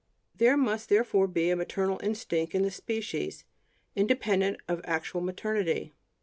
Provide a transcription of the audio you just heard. There must therefore be a maternal instinct in the species, independent of actual maternity.